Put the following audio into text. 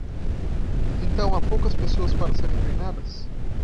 Então, há poucas pessoas para serem treinadas?